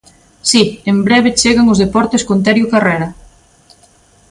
Si, en breve chegan os deportes con Terio Carrera.